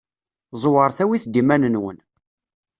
Ẓewret awit-d iman-nwen.